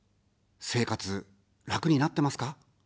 生活、楽になってますか。